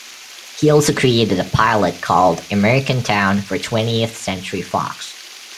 He also created a pilot called American Town for Twentieth Century Fox.